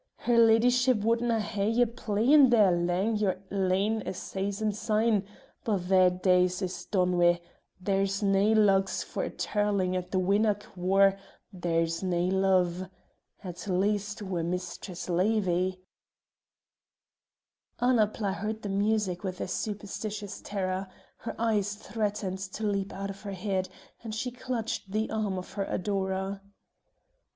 "Her leddyship wodnae hae ye playin' there lang your lane a saison syne, but thae days is done wi'; there's nae lugs for a tirlin' at the winnock whaur there's nae love at least wi' Mistress Leevie." Annapla heard the music with a superstitious terror; her eyes threatened to leap out of her head, and she clutched the arm of her adorer.